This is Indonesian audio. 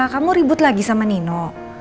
kamu ribut lagi sama nino